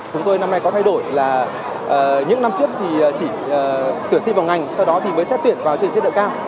chúng tôi năm nay có thay đổi là những năm trước thì chỉ tuyển sinh vào ngành sau đó thì mới xét tuyển vào trình chế độ cao